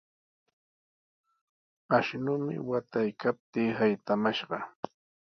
Ashnumi wataykaptii saytamashqa.